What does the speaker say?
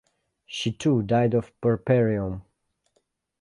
She too died of puerperium.